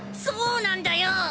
そうなんだよ！